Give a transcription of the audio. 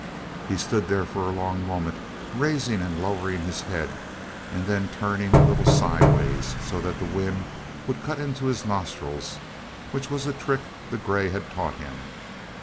He stood there for a long moment, raising and lowering his head, and then turning a little sidewise so that the wind would cut into his nostrils which was a trick the grey had taught him.